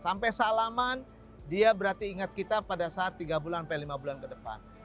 sampai salaman dia berarti ingat kita pada saat tiga bulan sampai lima bulan ke depan